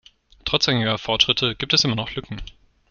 Trotz einiger Fortschritte gibt es immer noch Lücken.